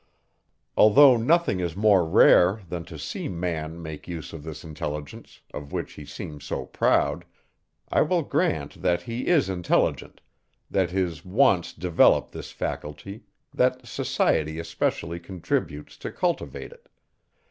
Although nothing is more rare, than to see man make use of this intelligence, of which he seems so proud, I will grant that he is intelligent, that his wants develop this faculty, that society especially contributes to cultivate it.